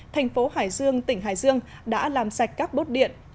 thành phố hải dương tỉnh hải dương đã làm sạch các bốt điện